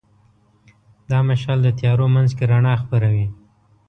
دا مشال د تیارو منځ کې رڼا خپروي.